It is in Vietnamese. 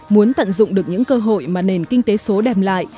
muốn tận dụng được những cơ hội mà nền kinh tế số đem lại